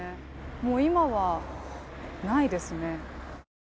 もう今はないですね。